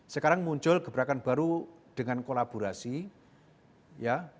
sekarang muncul gebrakan baru dengan kolaborasi ya